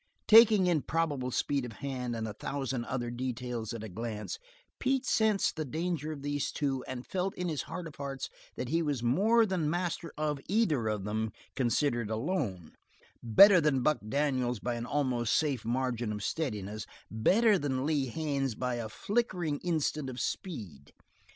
Taking in probable speed of hand and a thousand other details at a glance, Pete sensed the danger of these two and felt in his heart of hearts that he was more than master of either of them, considered alone; better than Buck Daniels by an almost safe margin of steadiness; better than Lee Haines by a flickering instant of speed.